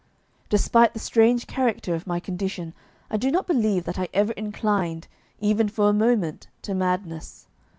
Despite the strange character of my condition, I do not believe that I ever inclined, even for a moment, to madness.